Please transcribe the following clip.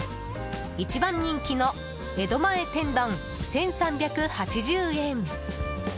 一番人気の江戸前天丼１３８０円。